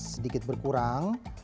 uapnya sedikit berkurang